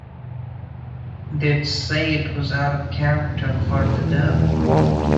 They'd say it was out of character for the Dove.